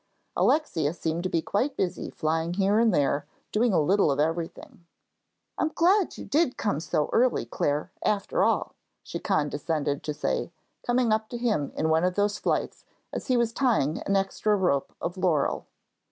Alexia seemed to be quite busy flying here and there, doing a little of everything. "I'm glad you did come so early, Clare, after all," she condescended to say, coming up to him in one of those flights, as he was tying an extra rope of laurel.